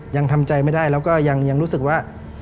ยังทำใจไม่ได้แล้วก็ยังรู้สึกว่า